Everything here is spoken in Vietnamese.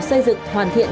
xây dựng hoàn thiện